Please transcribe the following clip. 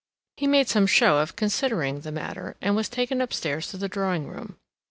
He made some show of considering the matter, and was taken upstairs to the drawing room.